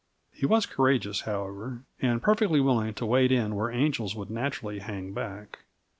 He was courageous, however, and perfectly willing to wade in where angels would naturally hang back.